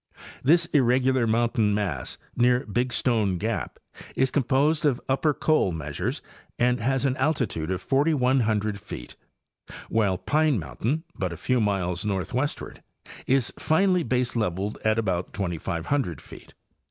This irregular mountain mass near Big Stone gap is composed of upper Coal Measures, and has an altitude of 4,100 feet, while Pine mountain, but a few miles northwestward, is finely baseleveled at about 2,500 feet.